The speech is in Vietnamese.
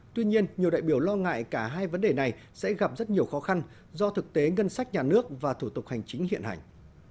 tuy nhiên nhiều đại biểu lo ngại cả hai vấn đề này sẽ gặp rất nhiều khó khăn do thực tế ngân sách nhà nước và thủ tục hành chính hiện hành